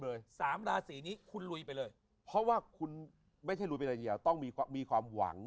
เลย๓ราศีนี้คุณลุยไปเลยเพราะว่าคุณไม่ใช่ห่วงมีความหวัง